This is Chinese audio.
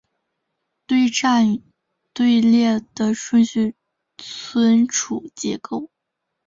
堆栈与队列的顺序存储结构